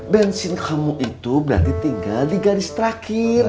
bensin kamu itu berarti tinggal di garis terakhir